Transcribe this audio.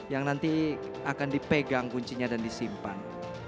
yang nanti akan dipegang kuncinya dan disimpan